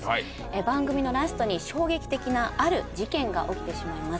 番組のラストに衝撃的なある事件が起きてしまいます